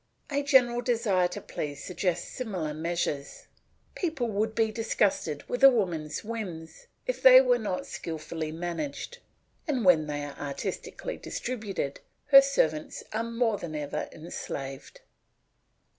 A general desire to please suggests similar measures; people would be disgusted with a woman's whims if they were not skilfully managed, and when they are artistically distributed her servants are more than ever enslaved.